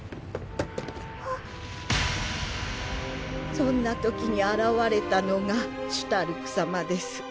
そんな時に現れたのがシュタルク様です。